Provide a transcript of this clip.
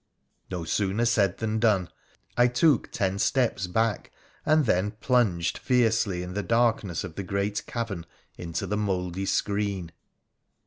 No sooner said than done. I took ten steps back, and then plunged fiercely in the darkness of the great cavern into the mouldy screen.